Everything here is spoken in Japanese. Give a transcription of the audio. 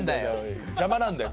邪魔なんだよ。